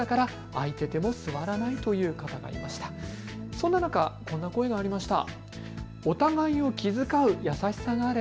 そんな中、こんな声がありました。